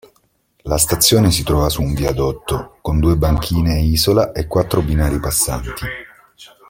La stazione si trova su viadotto, con due banchine isola e quattro binari passanti.